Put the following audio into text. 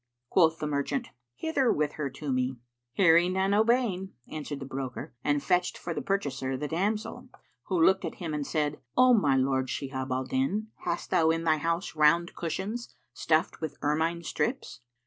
Quoth the merchant, "Hither with her to me." "Hearing and obeying," answered the broker and fetched for the purchaser the damsel, who looked at him and said, "O my lord, Shihab al Din, hast thou in thy house round cushions stuffed with ermine strips?"